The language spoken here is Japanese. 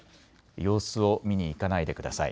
様子を見に行かないでください。